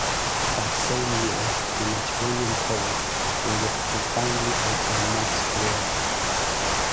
That same year, he met William Poel, who would profoundly alter Monck's career.